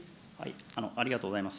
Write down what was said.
ありがとうございます。